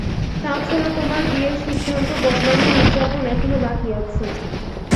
তাছাড়া, তোমার বিয়ের সিদ্ধান্ত বদলানোর উদযাপন এখনো বাকি আছে।